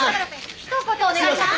ひと言お願いします。